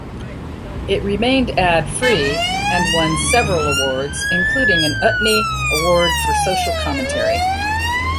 It remained ad-free and won several awards, including an Utne award for social commentary.